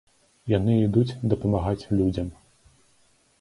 Яны ідуць дапамагаць людзям.